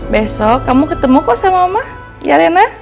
besok kamu ketemu kok sama mama ya rena